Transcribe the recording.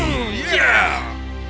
sisinga menangkap perangkap